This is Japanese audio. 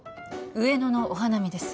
上野のお花見です